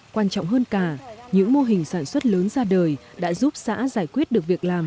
quan trọng hơn cả những mô hình sản xuất lớn ra đời đã giúp xã giải quyết được việc làm